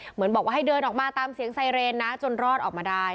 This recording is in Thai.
เหมือนบอกว่าให้เดินออกมาตามเสียงไซเรนนะจนรอดออกมาได้